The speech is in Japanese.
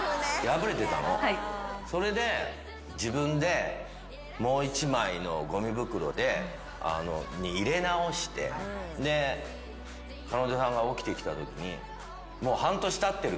それで自分でもう１枚のごみ袋に入れ直してで彼女さんが起きてきたときに。